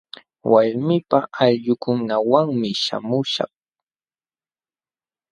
Walmiipaq ayllunkunawanmi śhamuśhaq.